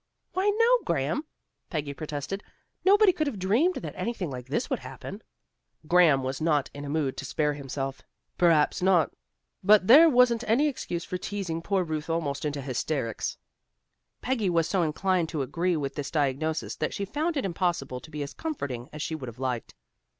"Why, no, Graham," Peggy protested. "Nobody could have dreamed that anything like this would happen." Graham was not in a mood to spare himself. "Perhaps not, but there wasn't any excuse for teasing poor Ruth almost into hysterics. It's the kind of fun a red Indian might be expected to enjoy." Peggy was so inclined to agree with this diagnosis that she found it impossible to be as comforting as she would have liked.